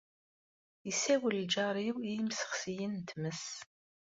Isawel lǧar-iw i yemsexsiyen n tmes.